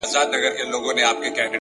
موږ د تاوان په کار کي یکایک ده ګټه کړې-